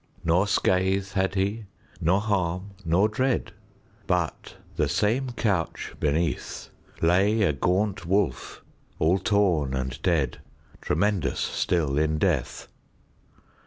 Nor scath had he, nor harm, nor dread, But, the same couch beneath, Lay a gaunt wolf, all torn and dead, Tremendous still in death.